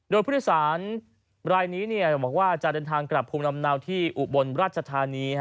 โดยผู้โดยสารรายนี้บอกว่าจะเดินทางกลับภูมิลำเนาที่อุบลราชธานี